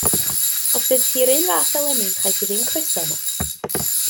Os bydd hi'r un fath eleni cheiff hi ddim croeso yma.